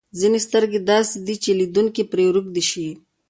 ځینې سترګې داسې دي چې لیدونکی پرې روږدی شي.